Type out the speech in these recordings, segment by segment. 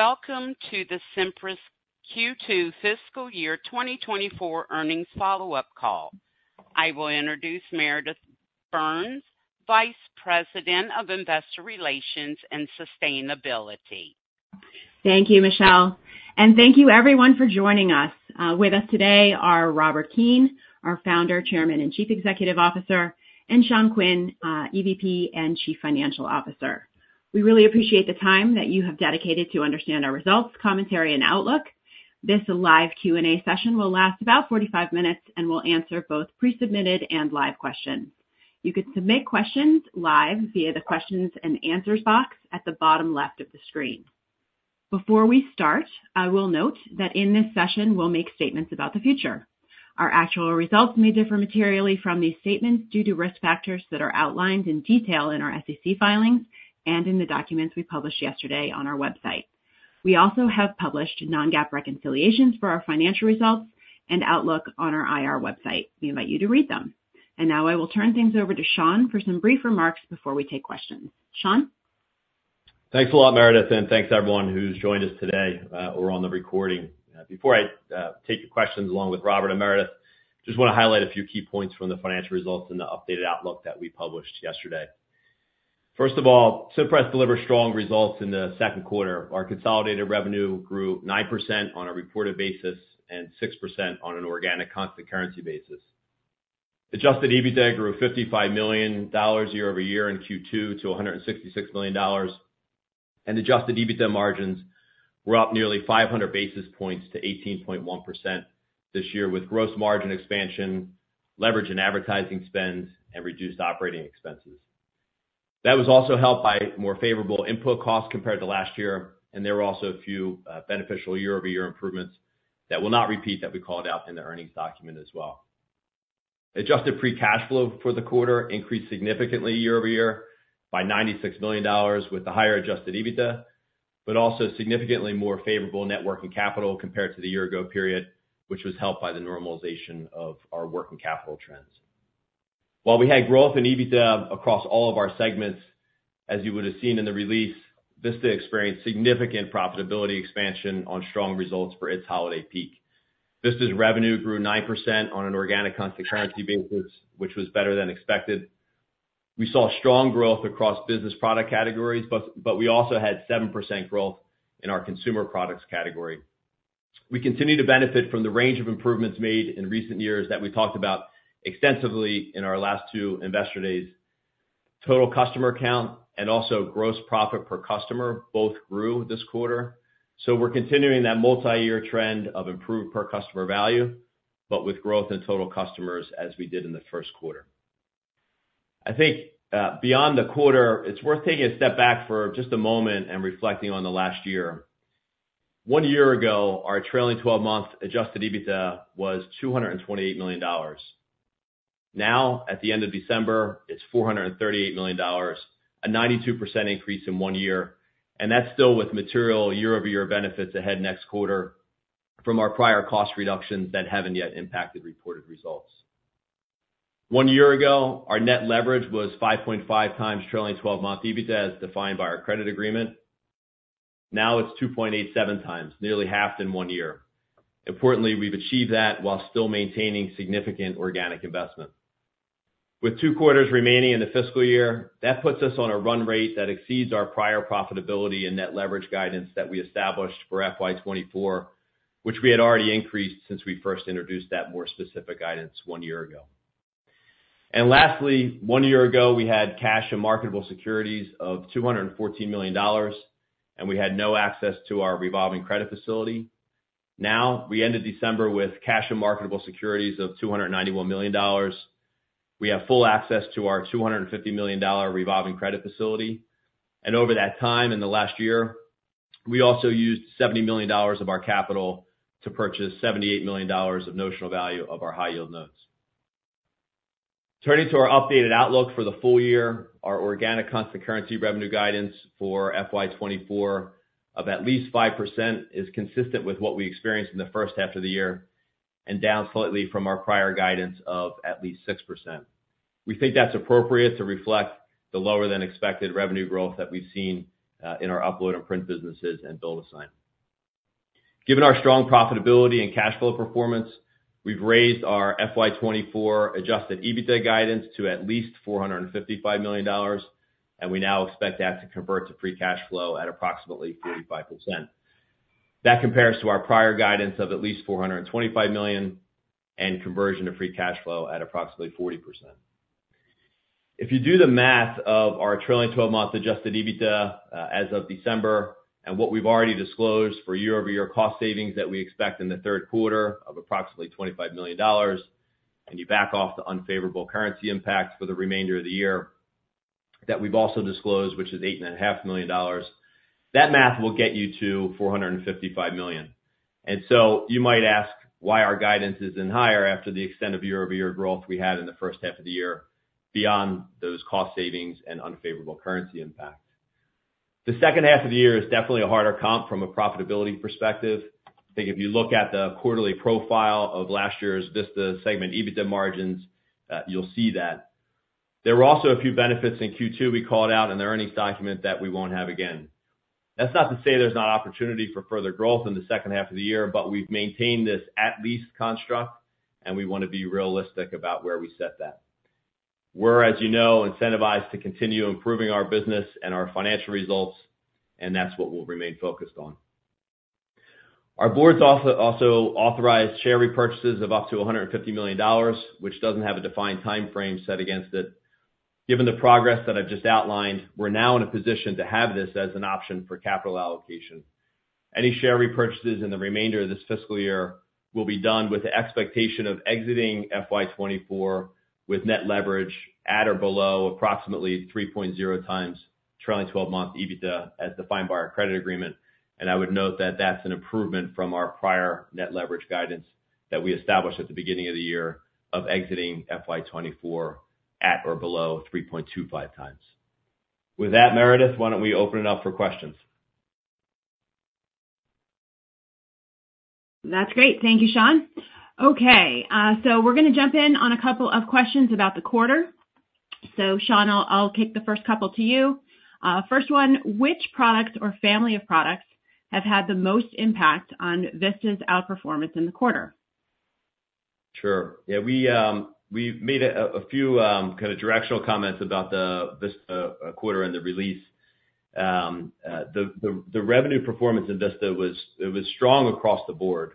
Welcome to the Cimpress Q2 fiscal year 2024 earnings follow-up call. I will introduce Meredith Burns, Vice President of Investor Relations and Sustainability. Thank you, Michelle, and thank you everyone for joining us. With us today are Robert Keane, our Founder, Chairman, and Chief Executive Officer, and Sean Quinn, EVP and Chief Financial Officer. We really appreciate the time that you have dedicated to understand our results, commentary, and outlook. This live Q&A session will last about 45 minutes, and we'll answer both pre-submitted and live questions. You can submit questions live via the questions and answers box at the bottom left of the screen. Before we start, I will note that in this session, we'll make statements about the future. Our actual results may differ materially from these statements due to risk factors that are outlined in detail in our SEC filings and in the documents we published yesterday on our website. We also have published non-GAAP reconciliations for our financial results and outlook on our IR website. We invite you to read them. And now I will turn things over to Sean for some brief remarks before we take questions. Sean? Thanks a lot, Meredith, and thanks to everyone who's joined us today, or on the recording. Before I take your questions, along with Robert and Meredith, just wanna highlight a few key points from the financial results and the updated outlook that we published yesterday. First of all, Cimpress delivered strong results in Q2. Our consolidated revenue grew 9% on a reported basis and 6% on an organic constant currency basis. Adjusted EBITDA grew $55 million year-over-year in Q2 to 166 million. And adjusted EBITDA margins were up nearly 500 basis points to 18.1% this year, with gross margin expansion, leverage in advertising spends, and reduced operating expenses. That was also helped by more favorable input costs compared to last year, and there were also a few beneficial year-over-year improvements that will not repeat, that we called out in the earnings document as well. Adjusted Free Cash Flow for the quarter increased significantly year-over-year by $96 million, with a higher Adjusted EBITDA, but also significantly more favorable net working capital compared to the year ago period, which was helped by the normalization of our working capital trends. While we had growth in EBITDA across all of our segments, as you would have seen in the release, Vista experienced significant profitability expansion on strong results for its holiday peak. Vista's revenue grew 9% on an organic constant currency basis, which was better than expected. We saw strong growth across business product categories, but we also had 7% growth in our consumer products category. We continue to benefit from the range of improvements made in recent years that we talked about extensively in our last two investor days. Total customer count and also gross profit per customer both grew this quarter, so we're continuing that multi-year trend of improved per customer value, but with growth in total customers, as we did in the first quarter. I think, beyond the quarter, it's worth taking a step back for just a moment and reflecting on the last year. One year ago, our trailing 12-month Adjusted EBITDA was $228 million. Now, at the end of December, it's $438 million, a 92% increase in one year, and that's still with material year-over-year benefits ahead next quarter from our prior cost reductions that haven't yet impacted reported results. One year ago, our net leverage was 5.5x trailing 12-month EBITDA, as defined by our credit agreement. Now it's 2.87x, nearly halved in 1 year. Importantly, we've achieved that while still maintaining significant organic investment. With two quarters remaining in the fiscal year, that puts us on a run rate that exceeds our prior profitability and net leverage guidance that we established for FY 2024, which we had already increased since we first introduced that more specific guidance one year ago. And lastly, one year ago, we had cash and marketable securities of $214 million, and we had no access to our Revolving Credit Facility. Now, we ended December with cash and marketable securities of $291 million. We have full access to our $250 million Revolving Credit Facility, and over that time, in the last year, we also used $70 million of our capital to purchase $78 million of notional value of our high-yield notes. Turning to our updated outlook for the full year, our organic constant currency revenue guidance for FY 2024 of at least 5% is consistent with what we experienced in the first half of the year and down slightly from our prior guidance of at least 6%. We think that's appropriate to reflect the lower-than-expected revenue growth that we've seen in our Upload and Print businesses and BuildASign. Given our strong profitability and cash flow performance, we've raised our FY 2024 Adjusted EBITDA guidance to at least $455 million, and we now expect that to convert to free cash flow at approximately 35%. That compares to our prior guidance of at least $425 million and conversion to free cash flow at approximately 40%. If you do the math of our trailing 12-month Adjusted EBITDA, as of December, and what we've already disclosed for year-over-year cost savings that we expect in the Q3 of approximately $25 million, and you back off the unfavorable currency impact for the remainder of the year, that we've also disclosed, which is $8.5 million, that math will get you to $455 million. And so you might ask why our guidance isn't higher after the extent of year-over-year growth we had in the first half of the year beyond those cost savings and unfavorable currency impact. The second half of the year is definitely a harder comp from a profitability perspective. I think if you look at the quarterly profile of last year's Vista segment EBITDA margins, you'll see that. There were also a few benefits in Q2 we called out in the earnings document that we won't have again. That's not to say there's not opportunity for further growth in the second half of the year, but we've maintained this at least construct, and we want to be realistic about where we set that. We're, as you know, incentivized to continue improving our business and our financial results, and that's what we'll remain focused on. Our board's also authorized share repurchases of up to $150 million, which doesn't have a defined timeframe set against it. Given the progress that I've just outlined, we're now in a position to have this as an option for capital allocation. Any share repurchases in the remainder of this fiscal year will be done with the expectation of exiting FY 2024, with net leverage at or below approximately 3.0x trailing 12-month EBITDA, as defined by our credit agreement. I would note that that's an improvement from our prior net leverage guidance that we established at the beginning of the year of exiting FY 2024 at or below 3.25x. With that, Meredith, why don't we open it up for questions? That's great. Thank you, Sean. Okay, so we're gonna jump in on a couple of questions about the quarter. So Sean, I'll kick the first couple to you. First one, which products or family of products have had the most impact on Vista's outperformance in the quarter? Sure. Yeah, we made a few kind of directional comments about the Vista quarter and the release. The revenue performance in Vista was. It was strong across the board.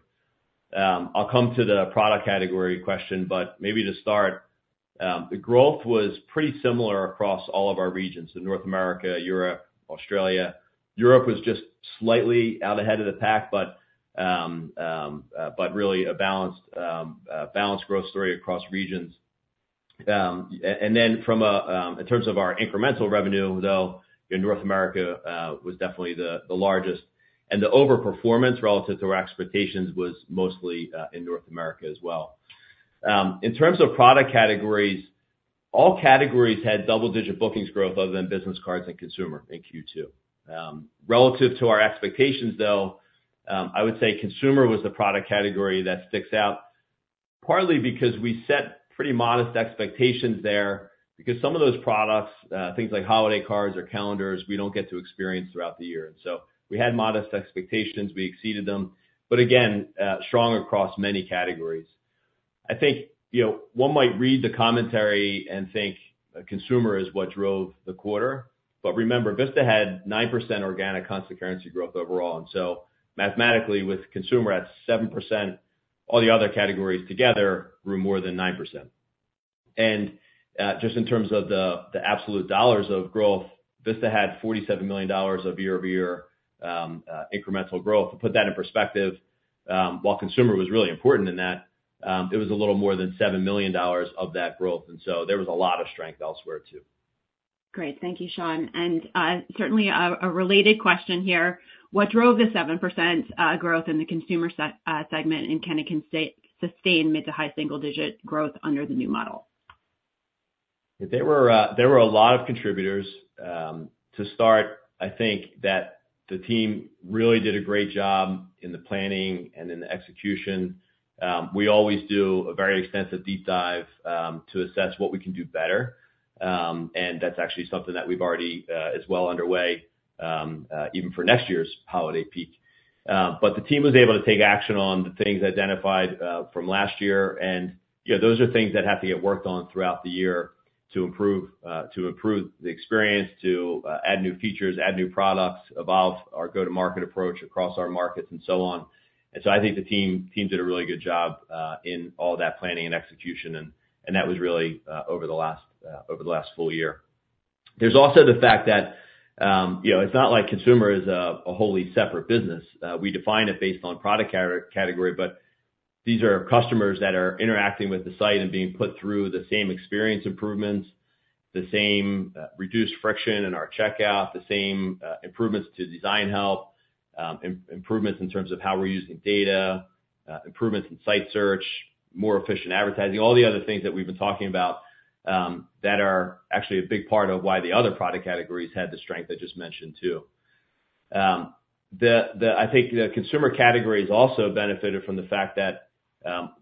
I'll come to the product category question, but maybe to start, the growth was pretty similar across all of our regions in North America, Europe, Australia. Europe was just slightly out ahead of the pack, but really a balanced growth story across regions. And then, in terms of our incremental revenue, though, in North America was definitely the largest, and the overperformance relative to our expectations was mostly in North America as well. In terms of product categories, all categories had double-digit bookings growth other than business cards and consumer in Q2. Relative to our expectations, though, I would say consumer was the product category that sticks out, partly because we set pretty modest expectations there, because some of those products, things like holiday cards or calendars, we don't get to experience throughout the year. So we had modest expectations. We exceeded them, but again, strong across many categories. I think, you know, one might read the commentary and think a consumer is what drove the quarter. But remember, Vista had 9% organic constant currency growth overall, and so mathematically, with consumer at 7%, all the other categories together grew more than 9%. And, just in terms of the absolute dollars of growth, Vista had $47 million of year-over-year incremental growth. To put that in perspective, while consumer was really important in that, it was a little more than $7 million of that growth, and so there was a lot of strength elsewhere, too. Great. Thank you, Sean. And, certainly a related question here: What drove the 7% growth in the consumer segment, and can it sustain mid to high single digit growth under the new model? There were, there were a lot of contributors. To start, I think that the team really did a great job in the planning and in the execution. We always do a very extensive deep dive, to assess what we can do better. And that's actually something that we've already, is well underway, even for next year's holiday peak. But the team was able to take action on the things identified, from last year. And, you know, those are things that have to get worked on throughout the year to improve, to improve the experience, to, add new features, add new products, evolve our go-to-market approach across our markets and so on. And so I think the team did a really good job in all that planning and execution, and that was really over the last full year. There's also the fact that, you know, it's not like consumer is a wholly separate business. We define it based on product category, but these are customers that are interacting with the site and being put through the same experience improvements, the same reduced friction in our checkout, the same improvements to design health, improvements in terms of how we're using data, improvements in site search, more efficient advertising, all the other things that we've been talking about, that are actually a big part of why the other product categories had the strength I just mentioned, too. I think the consumer categories also benefited from the fact that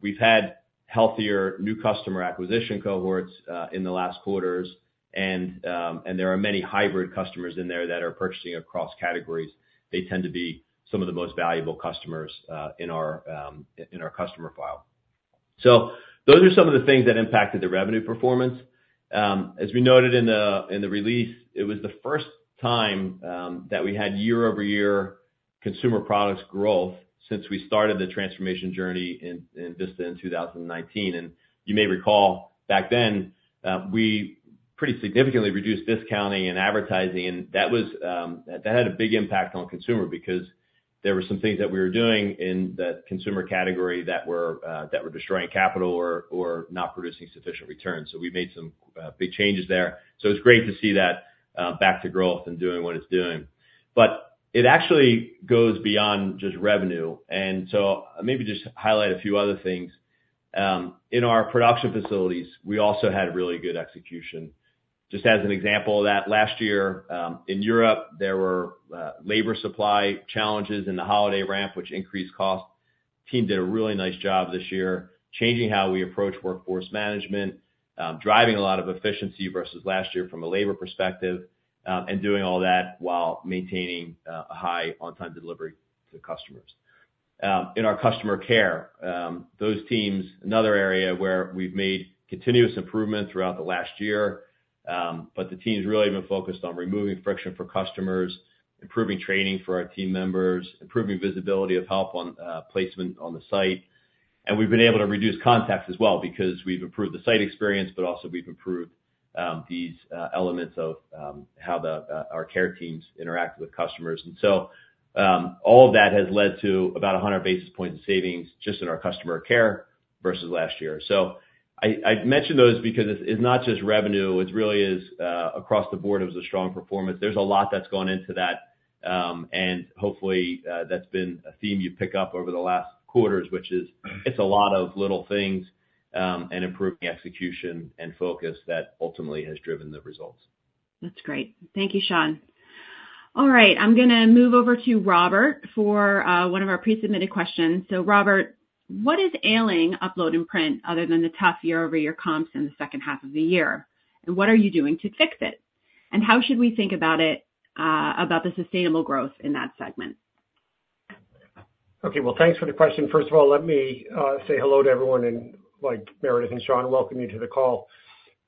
we've had healthier new customer acquisition cohorts in the last quarters, and there are many hybrid customers in there that are purchasing across categories. They tend to be some of the most valuable customers in our customer file. So those are some of the things that impacted the revenue performance. As we noted in the release, it was the first time that we had year-over-year consumer products growth since we started the transformation journey in Vista in 2019. You may recall, back then, we pretty significantly reduced discounting and advertising, and that had a big impact on consumer because there were some things that we were doing in the consumer category that were destroying capital or not producing sufficient returns. We made some big changes there. It's great to see that back to growth and doing what it's doing. But it actually goes beyond just revenue, and so maybe just highlight a few other things. In our production facilities, we also had really good execution. Just as an example of that, last year, in Europe, there were labor supply challenges in the holiday ramp, which increased costs. Team did a really nice job this year, changing how we approach workforce management, driving a lot of efficiency versus last year from a labor perspective, and doing all that while maintaining a high on-time delivery to customers. In our customer care, those teams, another area where we've made continuous improvement throughout the last year, but the team's really been focused on removing friction for customers, improving training for our team members, improving visibility of help on placement on the site. And we've been able to reduce contacts as well because we've improved the site experience, but also we've improved these elements of how our care teams interact with customers. And so, all of that has led to about 100 basis points of savings just in our customer care versus last year. So I, I mentioned those because it's, it's not just revenue, it really is across the board, it was a strong performance. There's a lot that's gone into that, and hopefully, that's been a theme you pick up over the last quarters, which is it's a lot of little things, and improving execution and focus that ultimately has driven the results. That's great. Thank you, Sean. All right, I'm gonna move over to Robert for one of our pre-submitted questions. So Robert, what is ailing Upload and Print other than the tough year-over-year comps in the second half of the year? And what are you doing to fix it? And how should we think about it, about the sustainable growth in that segment? Okay, well, thanks for the question. First of all, let me say hello to everyone, and like Meredith and Sean, welcome you to the call.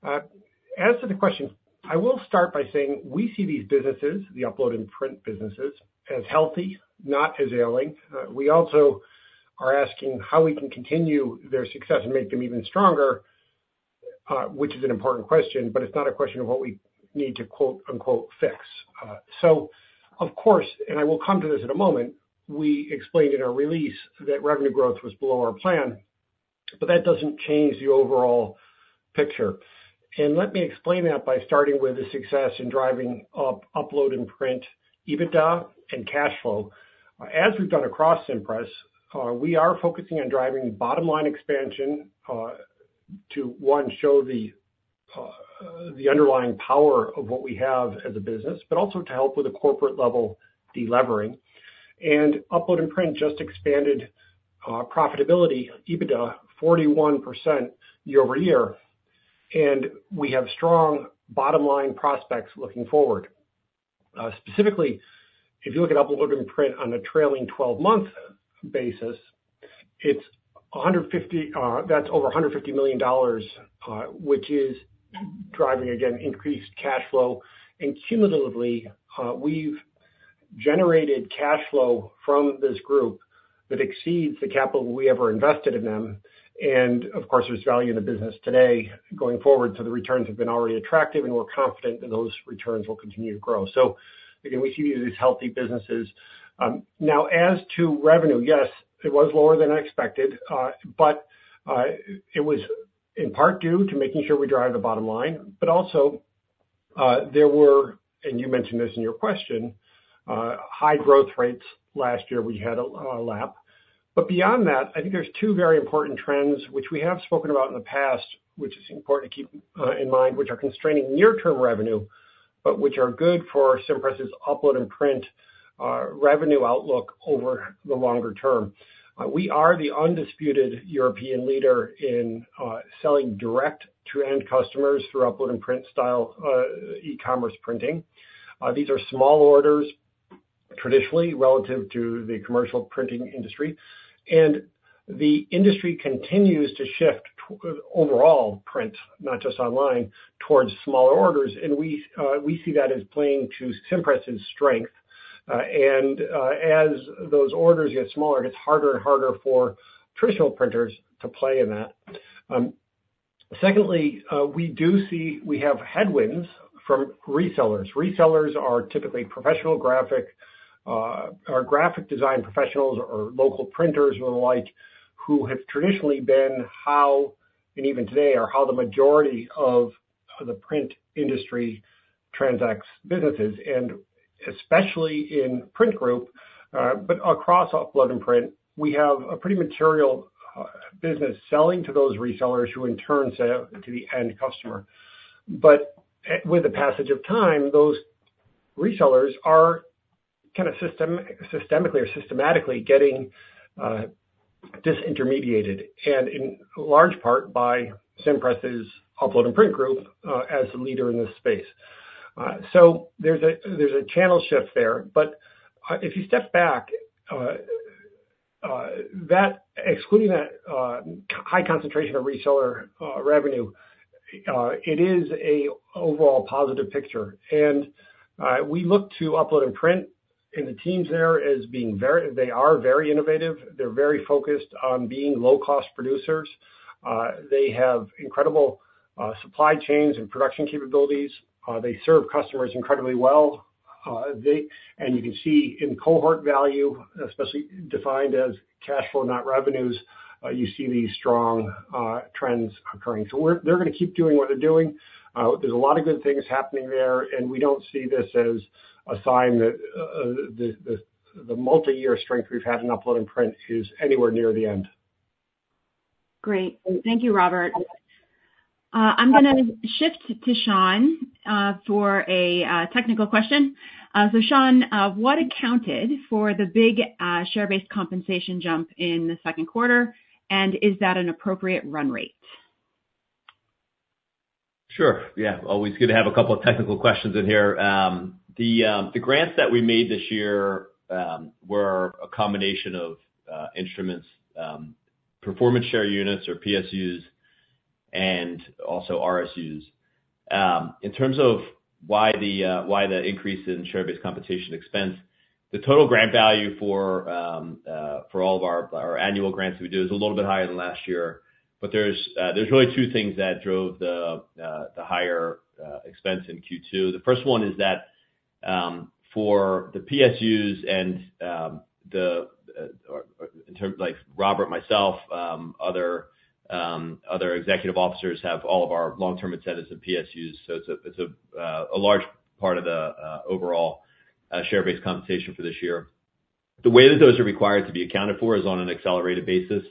As to the question, I will start by saying, we see these businesses, the Upload and Print businesses, as healthy, not as ailing. We also are asking how we can continue their success and make them even stronger, which is an important question, but it's not a question of what we need to, quote unquote, "fix." So of course, and I will come to this in a moment, we explained in our release that revenue growth was below our plan, but that doesn't change the overall picture. And let me explain that by starting with the success in driving Upload and Print EBITDA and cash flow. As we've done across Cimpress, we are focusing on driving bottom line expansion, to one, show the underlying power of what we have as a business, but also to help with the corporate level delevering. And Upload and Print just expanded profitability, EBITDA 41% year-over-year, and we have strong bottom line prospects looking forward. Specifically, if you look at Upload and Print on a trailing 12-month basis, it's 150, that's over $150 million, which is driving, again, increased cash flow. And cumulatively, we've generated cash flow from this group that exceeds the capital we ever invested in them. And of course, there's value in the business today going forward, so the returns have been already attractive, and we're confident that those returns will continue to grow. So again, we see these as healthy businesses. Now as to revenue, yes, it was lower than expected, but it was in part due to making sure we drive the bottom line, but also there were, and you mentioned this in your question, high growth rates last year, we had a lap. But beyond that, I think there's two very important trends which we have spoken about in the past, which is important to keep in mind, which are constraining near-term revenue, but which are good for Cimpress' Upload and Print revenue outlook over the longer term. We are the undisputed European leader in selling direct to end customers through Upload and Print style e-commerce printing. These are small orders, traditionally, relative to the commercial printing industry. The industry continues to shift to overall print, not just online, towards smaller orders, and we see that as playing to Cimpress' strength. As those orders get smaller, it gets harder and harder for traditional printers to play in that. Secondly, we do see we have headwinds from resellers. Resellers are typically professional graphic, or graphic design professionals or local printers or the like, who have traditionally been how, and even today, are how the majority of the print industry transacts businesses, and especially in Print Group, but across Upload and Print, we have a pretty material business selling to those resellers who in turn sell to the end customer. But with the passage of time, those resellers are kind of systemically or systematically getting disintermediated, and in large part by Cimpress' Upload and Print group as the leader in this space. So there's a channel shift there. But if you step back, excluding that high concentration of reseller revenue, it is an overall positive picture. And we look to Upload and Print and the teams there as being very innovative. They're very focused on being low-cost producers. They have incredible supply chains and production capabilities. They serve customers incredibly well. And you can see in cohort value, especially defined as cash flow, not revenues, you see these strong trends occurring. So they're gonna keep doing what they're doing. There's a lot of good things happening there, and we don't see this as a sign that the multi-year strength we've had in Upload and Print is anywhere near the end. Great. Thank you, Robert. I'm gonna shift to Sean for a technical question. So Sean, what accounted for the big share-based compensation jump in Q2, and is that an appropriate run rate? Sure. Yeah, always good to have a couple of technical questions in here. The grants that we made this year were a combination of instruments, performance share units, or PSUs, and also RSUs. In terms of why the increase in share-based compensation expense, the total grant value for all of our annual grants we do is a little bit higher than last year. But there's really two things that drove the higher expense in Q2. The first one is that for the PSUs like Robert, myself, other executive officers have all of our long-term incentives and PSUs, so it's a large part of the overall share-based compensation for this year. The way that those are required to be accounted for is on an accelerated basis.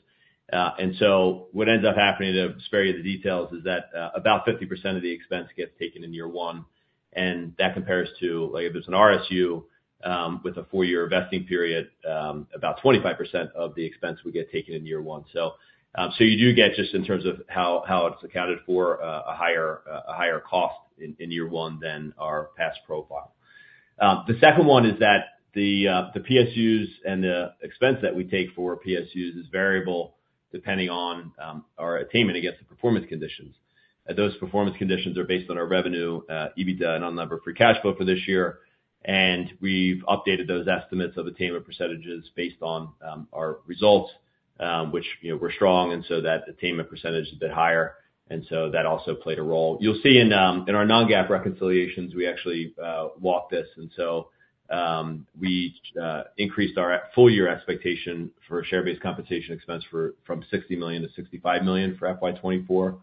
And so what ends up happening, to spare you the details, is that, about 50% of the expense gets taken in year one, and that compares to, like, if there's an RSU, with a four-year vesting period, about 25% of the expense would get taken in year one. So, so you do get, just in terms of how it's accounted for, a higher cost in year one than our past profile. The second one is that the PSUs and the expense that we take for PSUs is variable depending on our attainment against the performance conditions. Those performance conditions are based on our revenue, EBITDA, and on number of free cash flow for this year. We've updated those estimates of attainment percentages based on our results, which, you know, were strong, and so that attainment percentage is a bit higher, and so that also played a role. You'll see in our non-GAAP reconciliations, we actually walk this. And so we increased our full year expectation for share-based compensation expense from $60 to 65 million for FY 2024.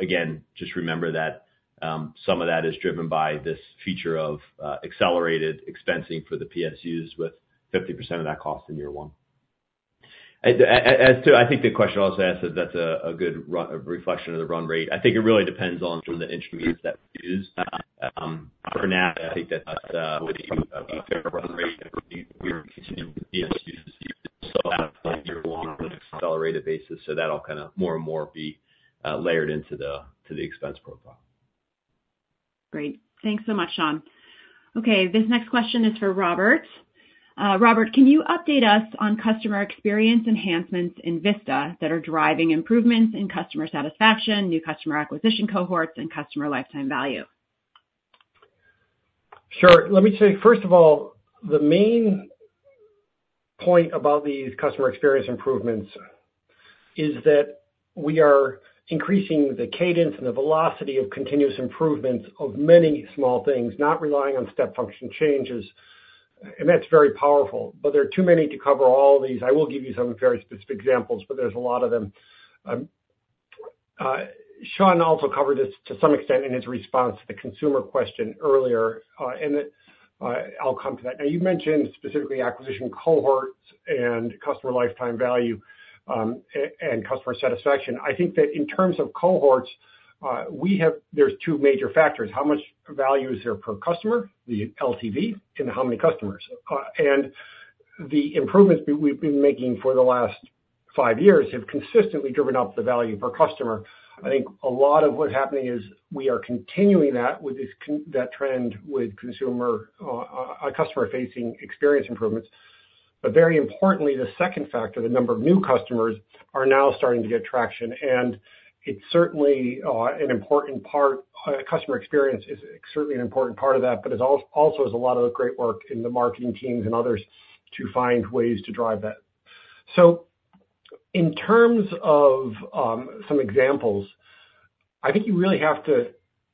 Again, just remember that some of that is driven by this feature of accelerated expensing for the PSUs with 50% of that cost in year one. And so I think the question also asks if that's a good reflection of the run rate. I think it really depends on sort of the instruments that we use. For now, I think that's a fair run rate. We're continuing with PSUs, so year one on an accelerated basis, so that'll kind of more and more be layered into the expense profile. Great. Thanks so much, Sean. Okay, this next question is for Robert. Robert, can you update us on customer experience enhancements in Vista that are driving improvements in customer satisfaction, new customer acquisition cohorts, and customer lifetime value? Sure. Let me say, first of all, the main point about these customer experience improvements is that we are increasing the cadence and the velocity of continuous improvements of many small things, not relying on step function changes, and that's very powerful, but there are too many to cover all of these. I will give you some very specific examples, but there's a lot of them. Sean also covered this to some extent in his response to the consumer question earlier, and I'll come to that. Now, you mentioned specifically acquisition cohorts and customer lifetime value, and customer satisfaction. I think that in terms of cohorts, we have—there's two major factors: How much value is there per customer, the LTV, and how many customers? And the improvements we've been making for the last five years have consistently driven up the value per customer. I think a lot of what's happening is we are continuing that trend with customer-facing experience improvements. But very importantly, the second factor, the number of new customers, are now starting to get traction, and it's certainly an important part. Customer experience is certainly an important part of that, but it also is a lot of the great work in the marketing teams and others to find ways to drive that. So in terms of some examples, I think you really have to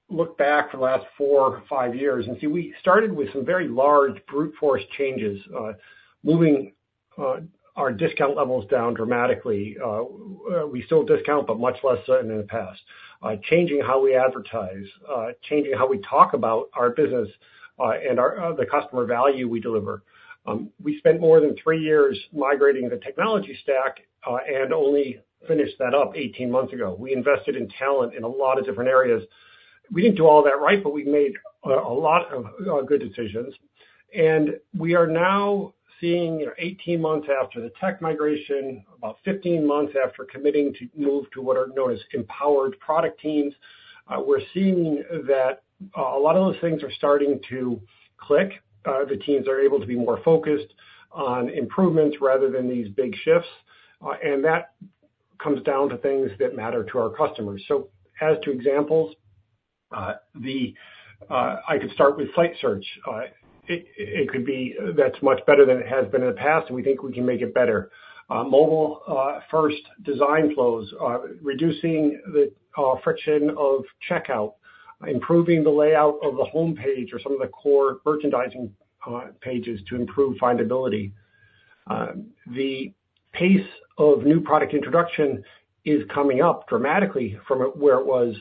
look back for the last four or five years and see we started with some very large brute force changes, moving our discount levels down dramatically. We still discount, but much less so than in the past. Changing how we advertise, changing how we talk about our business, and the customer value we deliver. We spent more than three years migrating the technology stack, and only finished that up 18 months ago. We invested in talent in a lot of different areas. We didn't do all that right, but we made a lot of good decisions, and we are now seeing, you know, 18 months after the tech migration, about 15 months after committing to move to what are known as empowered product teams, we're seeing that a lot of those things are starting to click. The teams are able to be more focused on improvements rather than these big shifts, and that comes down to things that matter to our customers. So as to examples, the, I could start with site search. It could be that's much better than it has been in the past, and we think we can make it better. Mobile first design flows, reducing the friction of checkout, improving the layout of the homepage or some of the core merchandising pages to improve findability. The pace of new product introduction is coming up dramatically from where it was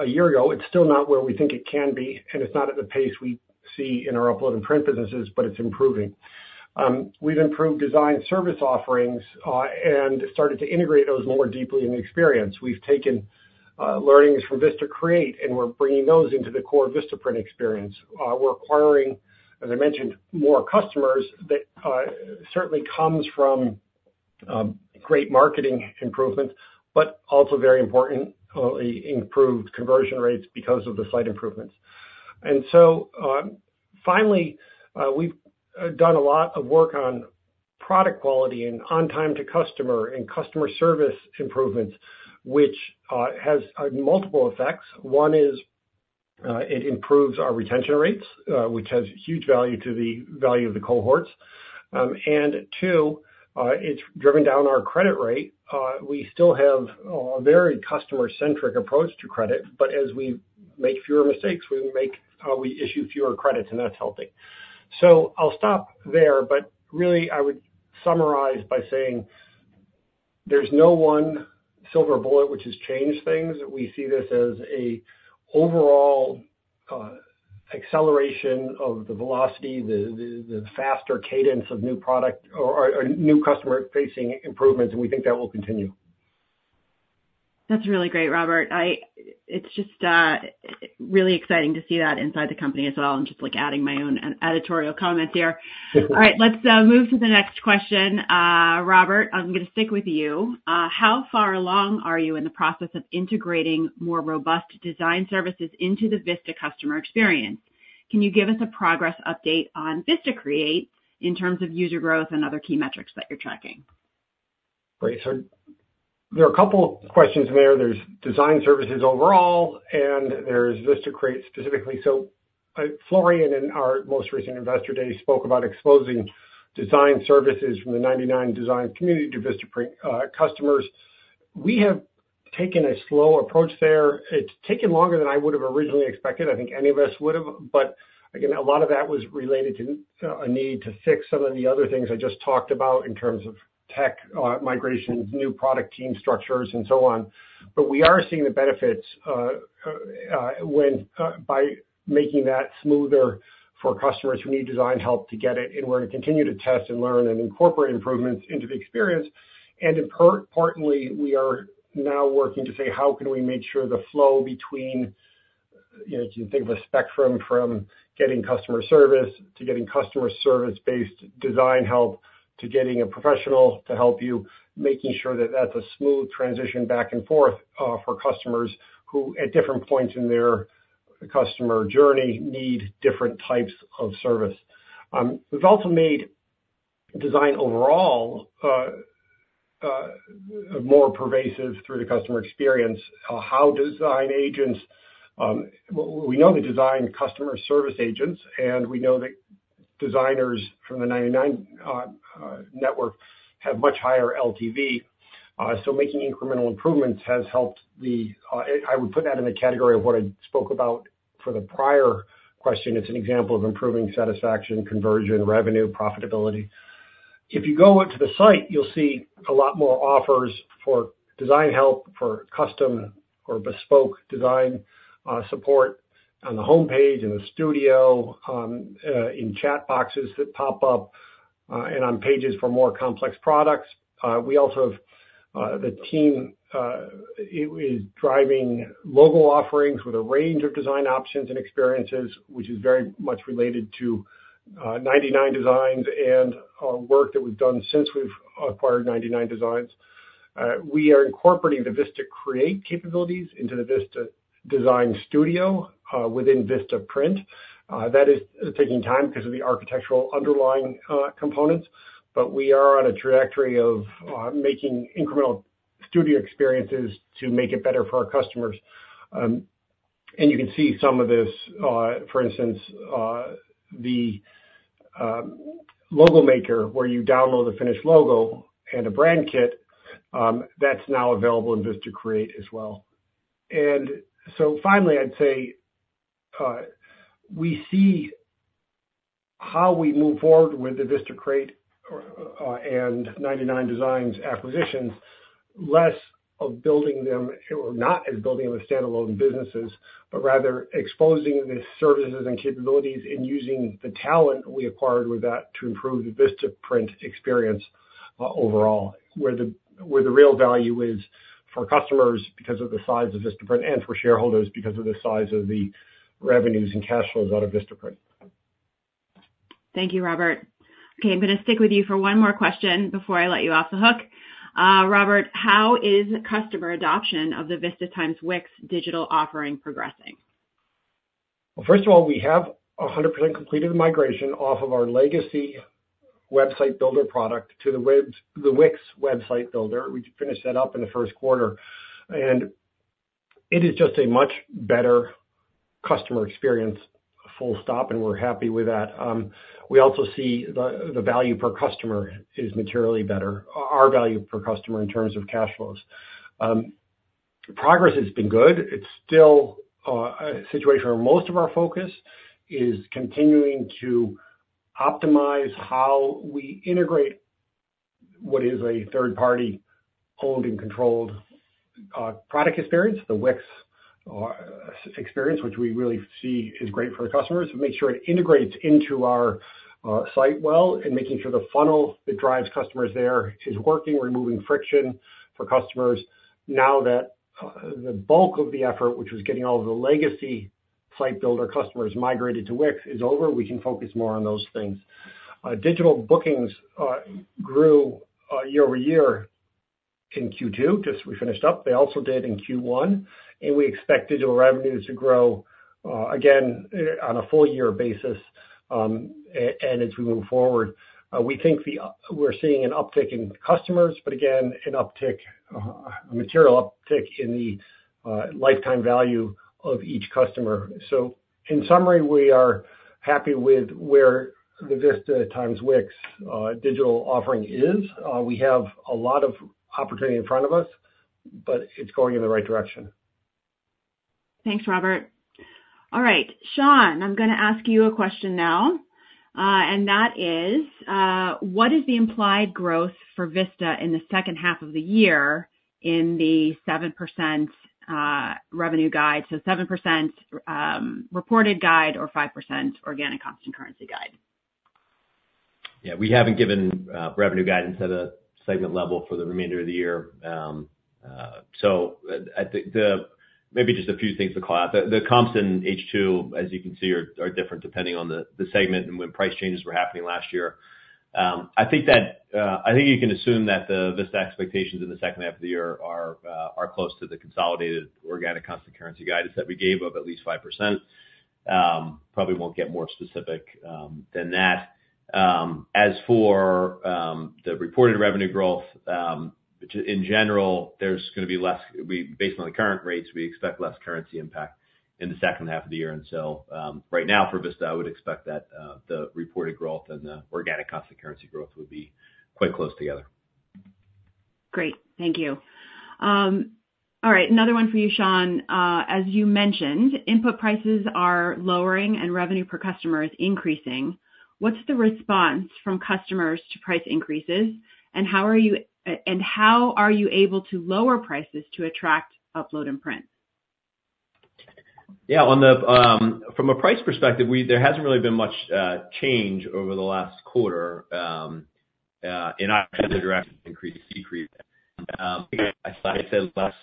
a year ago. It's still not where we think it can be, and it's not at the pace we see in our upload and print businesses, but it's improving. We've improved design service offerings and started to integrate those more deeply in the experience. We've taken learnings from VistaCreate, and we're bringing those into the core VistaPrint experience. We're acquiring, as I mentioned, more customers that certainly comes from great marketing improvements, but also very importantly, improved conversion rates because of the site improvements. And so, finally, we've done a lot of work on product quality and on time to customer and customer service improvements, which has multiple effects. One is, it improves our retention rates, which has huge value to the value of the cohorts. And two, it's driven down our credit rate. We still have a very customer-centric approach to credit, but as we make fewer mistakes, we make, we issue fewer credits, and that's healthy. So I'll stop there, but really, I would summarize by saying there's no one silver bullet which has changed things. We see this as a overall acceleration of the velocity, the faster cadence of new product or new customer-facing improvements, and we think that will continue. That's really great, Robert. It's just really exciting to see that inside the company as well. I'm just, like, adding my own editorial comment there. All right. Let's move to the next question. Robert, I'm gonna stick with you. How far along are you in the process of integrating more robust design services into the Vista customer experience? Can you give us a progress update on Vista Create in terms of user growth and other key metrics that you're tracking? Great. So there are a couple questions there. There's design services overall, and there's Vista Create specifically. So, Florian, in our most recent Investor Day, spoke about exposing design services from the 99designs community to VistaPrint customers. We have taken a slow approach there. It's taken longer than I would have originally expected, I think any of us would have, but again, a lot of that was related to a need to fix some of the other things I just talked about in terms of tech, migration, new product team structures, and so on. But we are seeing the benefits when by making that smoother for customers who need design help to get it, and we're going to continue to test and learn and incorporate improvements into the experience. Importantly, we are now working to say, how can we make sure the flow between, you know, if you think of a spectrum from getting customer service to getting customer service-based design help, to getting a professional to help you, making sure that that's a smooth transition back and forth for customers who, at different points in their customer journey, need different types of service. We've also made design overall more pervasive through the customer experience. We know the design customer service agents, and we know that designers from the 99designs network have much higher LTV. So making incremental improvements has helped the, I would put that in the category of what I spoke about for the prior question. It's an example of improving satisfaction, conversion, revenue, profitability. If you go onto the site, you'll see a lot more offers for design help, for custom or bespoke design, support on the homepage, in the studio, in chat boxes that pop up, and on pages for more complex products. We also have the team is driving local offerings with a range of design options and experiences, which is very much related to 99designs and work that we've done since we've acquired 99designs. We are incorporating the Vista Create capabilities into the Vista Design Studio within VistaPrint. That is taking time because of the architectural underlying components, but we are on a trajectory of making incremental studio experiences to make it better for our customers. And you can see some of this, for instance, the logo maker, where you download the finished logo and a brand kit, that's now available in VistaCreate as well. And so finally, I'd say, we see how we move forward with the VistaCreate and 99designs acquisitions, less of building them, or not as building them as standalone businesses, but rather exposing the services and capabilities and using the talent we acquired with that to improve the VistaPrint experience, overall, where the real value is for customers because of the size of VistaPrint and for shareholders because of the size of the revenues and cash flows out of VistaPrint. Thank you, Robert. Okay, I'm gonna stick with you for one more question before I let you off the hook. Robert, how is customer adoption of the Vista x Wix digital offering progressing? Well, first of all, we have 100% completed the migration off of our legacy website builder product to the Wix, the Wix website builder. We finished that up in the first quarter, and it is just a much better customer experience, full stop, and we're happy with that. We also see the value per customer is materially better, our value per customer in terms of cash flows. Progress has been good. It's still a situation where most of our focus is continuing to optimize how we integrate what is a third-party holding controlled product experience, the Wix experience, which we really see is great for the customers, to make sure it integrates into our site well, and making sure the funnel that drives customers there is working, removing friction for customers. Now that the bulk of the effort, which was getting all of the legacy site builder customers migrated to Wix, is over, we can focus more on those things. Digital bookings grew year-over-year in Q2 just we finished up. They also did in Q1, and we expect digital revenues to grow again, on a full-year basis. And as we move forward, we think we're seeing an uptick in customers, but again, an uptick, a material uptick in the lifetime value of each customer. So in summary, we are happy with where the Vista x Wix digital offering is. We have a lot of opportunity in front of us, but it's going in the right direction. Thanks, Robert. All right, Sean, I'm gonna ask you a question now, and that is: What is the implied growth for Vista in the second half of the year in the 7% revenue guide? So 7% reported guide or 5% organic constant currency guide. Yeah, we haven't given revenue guidance at a segment level for the remainder of the year. So I think. Maybe just a few things to call out. The comps in H2, as you can see, are different depending on the segment and when price changes were happening last year. I think you can assume that the Vista expectations in the second half of the year are close to the consolidated organic constant-currency guidance that we gave of at least 5%. Probably won't get more specific than that. As for the reported revenue growth, in general, there's gonna be less based on the current rates, we expect less currency impact in the second half of the year. So, right now for Vista, I would expect that the reported growth and the organic constant currency growth would be quite close together. Great, thank you. All right, another one for you, Sean. As you mentioned, input prices are lowering and revenue per customer is increasing. What's the response from customers to price increases, and how are you, and how are you able to lower prices to attract upload and print? Yeah, on the from a price perspective, we—there hasn't really been much change over the last quarter in either direction, increase, decrease. Like I said, last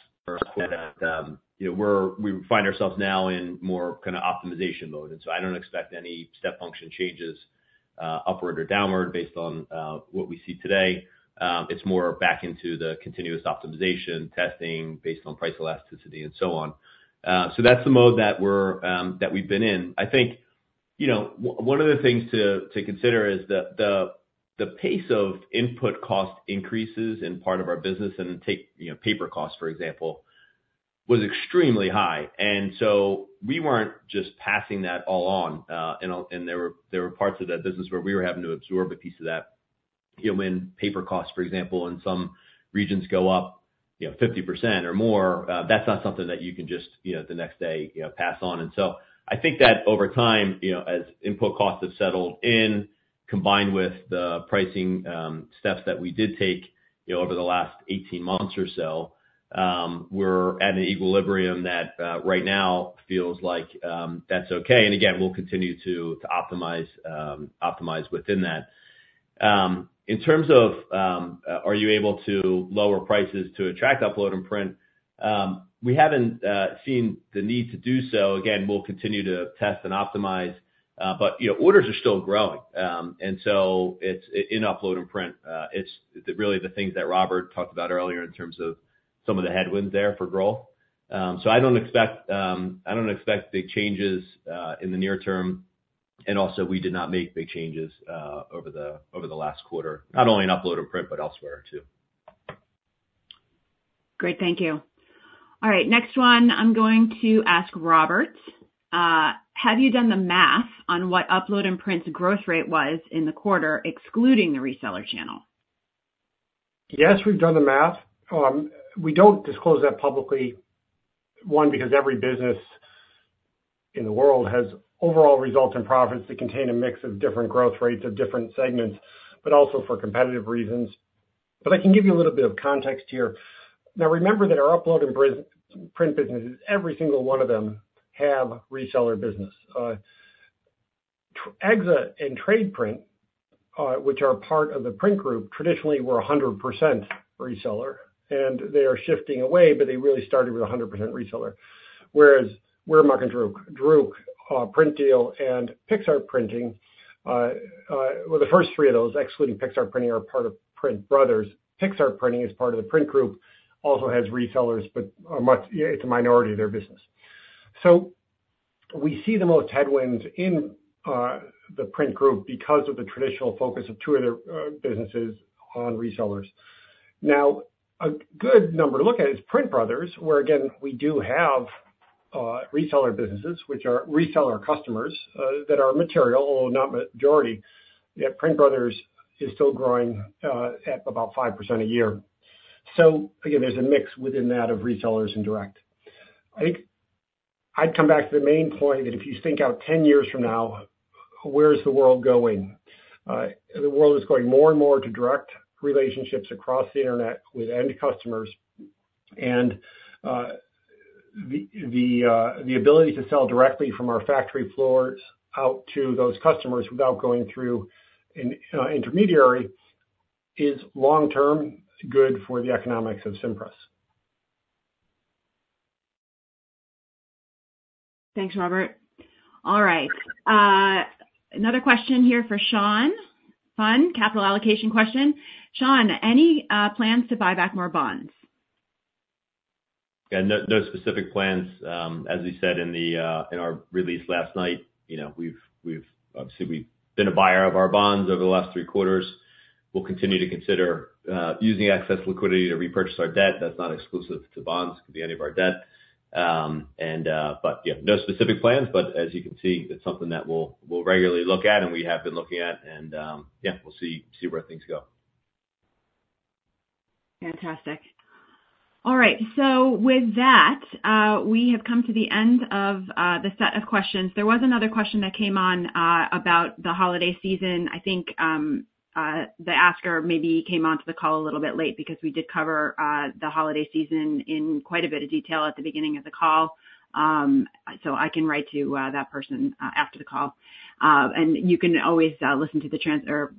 quarter, you know, we're, we find ourselves now in more kind of optimization mode, and so I don't expect any step function changes upward or downward based on what we see today. It's more back into the continuous optimization testing based on price elasticity and so on. So that's the mode that we're that we've been in. I think, you know, one of the things to consider is the pace of input cost increases in part of our business, and take, you know, paper costs, for example, was extremely high. And so we weren't just passing that all on, and there were parts of that business where we were having to absorb a piece of that. You know, when paper costs, for example, in some regions go up, you know, 50% or more, that's not something that you can just, you know, the next day, you know, pass on. And so I think that over time, you know, as input costs have settled in, combined with the pricing steps that we did take, you know, over the last 18 months or so, we're at an equilibrium that, right now feels like, that's okay. And again, we'll continue to optimize within that. In terms of, are you able to lower prices to attract upload and print? We haven't seen the need to do so. Again, we'll continue to test and optimize, but, you know, orders are still growing. And so it's, in Upload and Print, it's really the things that Robert talked about earlier in terms of some of the headwinds there for growth. So I don't expect, I don't expect big changes in the near term, and also, we did not make big changes over the last quarter, not only in Upload and Print, but elsewhere, too. Great. Thank you. All right, next one, I'm going to ask Robert. Have you done the math on what Upload and Print's growth rate was in the quarter, excluding the reseller channel? Yes, we've done the math. We don't disclose that publicly, one, because every business in the world has overall results and profits that contain a mix of different growth rates of different segments, but also for competitive reasons. But I can give you a little bit of context here. Now, remember that our upload and print businesses, every single one of them, have reseller business. Exaprint and Tradeprint, which are part of the Print Group, traditionally were 100% reseller, and they are shifting away, but they really started with 100% reseller. Whereas, WIRmachenDRUCK, Drukwerkdeal, Printdeal and Pixartprinting, well, the first three of those, excluding Pixartprinting, are part of Print Brothers. Pixartprinting is part of the Print Group, also has resellers, but are much, it's a minority of their business. So we see the most headwinds in the Print Group because of the traditional focus of two other businesses on resellers. Now, a good number to look at is Print Brothers, where again, we do have reseller businesses, which are reseller customers, that are material, although not majority, yet Print Brothers is still growing at about 5% a year. So again, there's a mix within that of resellers and direct. I think I'd come back to the main point, that if you think out 10 years from now, where's the world going? The world is going more and more to direct relationships across the internet with end customers, and the ability to sell directly from our factory floors out to those customers without going through an intermediary is long-term good for the economics of Cimpress. Thanks, Robert. All right. Another question here for Sean. Fun capital allocation question. Sean, any plans to buy back more bonds? Yeah, no, no specific plans. As we said in our release last night, you know, we've obviously we've been a buyer of our bonds over the last three quarters. We'll continue to consider using excess liquidity to repurchase our debt. That's not exclusive to bonds, it could be any of our debt. And, but yeah, no specific plans, but as you can see, it's something that we'll regularly look at, and we have been looking at, and yeah, we'll see where things go. Fantastic. All right, so with that, we have come to the end of the set of questions. There was another question that came on about the holiday season. I think the asker maybe came onto the call a little bit late because we did cover the holiday season in quite a bit of detail at the beginning of the call. So I can write to that person after the call. And you can always listen to the transcript or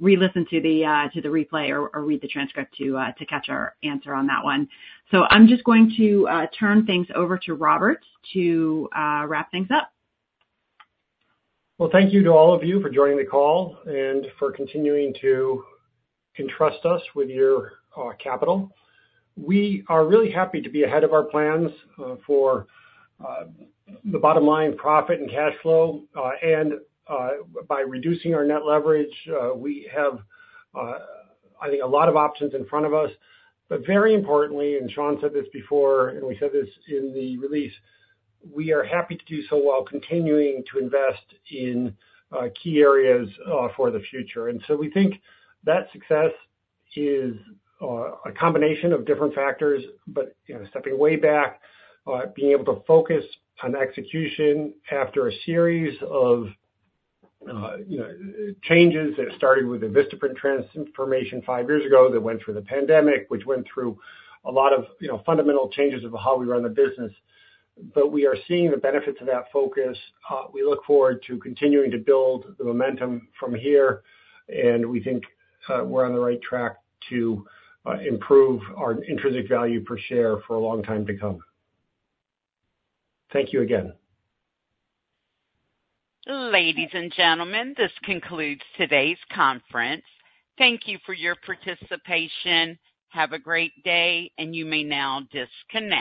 re-listen to the replay or read the transcript to catch our answer on that one. So I'm just going to turn things over to Robert to wrap things up. Well, thank you to all of you for joining the call and for continuing to entrust us with your capital. We are really happy to be ahead of our plans for the bottom line, profit, and cash flow. And by reducing our net leverage, we have, I think, a lot of options in front of us. But very importantly, and Sean said this before, and we said this in the release, we are happy to do so while continuing to invest in key areas for the future. So we think that success is a combination of different factors, but, you know, stepping way back, being able to focus on execution after a series of, you know, changes that started with the VistaPrint transformation five years ago, that went through the pandemic, which went through a lot of, you know, fundamental changes of how we run the business. But we are seeing the benefits of that focus. We look forward to continuing to build the momentum from here, and we think, we're on the right track to improve our intrinsic value per share for a long time to come. Thank you again. Ladies and gentlemen, this concludes today's conference. Thank you for your participation. Have a great day, and you may now disconnect.